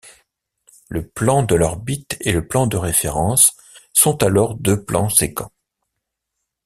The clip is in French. Le plan de l'orbite et le plan de référence sont alors deux plans sécants.